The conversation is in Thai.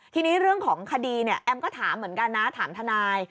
ทีนี้เรื่องของคดีเนี่ยแอมก็ถามเหมือนกันนะถามทนาย